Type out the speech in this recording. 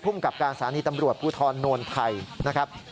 พุ่มกับการสารณีตำรวจภูทรนวลไทยนะครับ